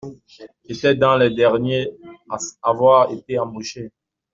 J’étais dans les derniers à avoir été embauché.